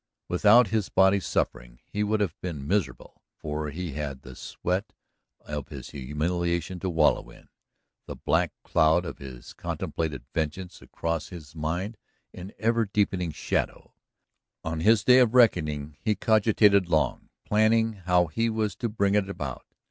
Without this bodily suffering he would have been miserable, for he had the sweat of his humiliation to wallow in, the black cloud of his contemplated vengeance across his mind in ever deepening shadow. On his day of reckoning he cogitated long, planning how he was to bring it about.